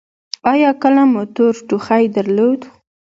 ایا کله مو تور ټوخی درلود؟